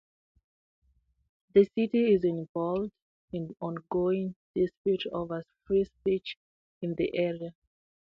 The city is involved in ongoing disputes over free speech in the area.